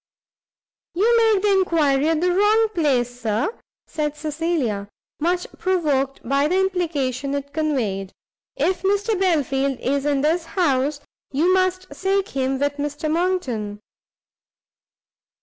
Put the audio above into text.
"You make the enquiry at the wrong place, Sir," said Cecilia, much provoked by the implication it conveyed; "if Mr Belfield is in this house, you must seek him with Mr Monckton."